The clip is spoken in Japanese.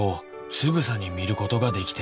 「つぶさに見ることができて」